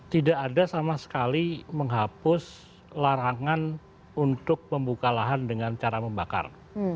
tidak ada sama sekali menghapus larangan untuk membuka lahan dengan cara membakar